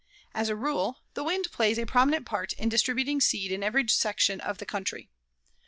As a rule, the wind plays a prominent part in distributing seed in every section of the country.